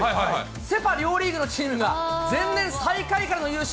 セ・パ両リーグのチームが、前年最下位からの優勝。